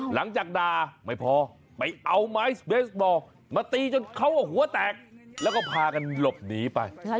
ด่าไม่พอไปเอาไม้เบสบอลมาตีจนเขาหัวแตกแล้วก็พากันหลบหนีไป